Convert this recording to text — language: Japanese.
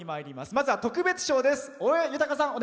まずは特別賞です。